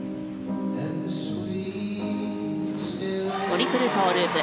トリプルトウループ。